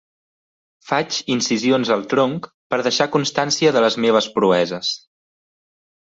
Faig incisions al tronc per deixar constància de les meves proeses.